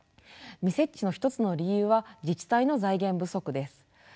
未設置の一つの理由は自治体の財源不足です。